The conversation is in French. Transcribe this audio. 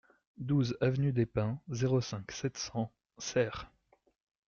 douze avenue des Pins, zéro cinq, sept cents, Serres